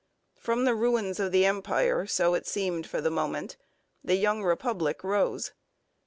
From the ruins of the Empire, so it seemed for the moment, the young Republic rose.